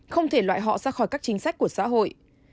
không thể loại họ ra khỏi các chính sách của xã hội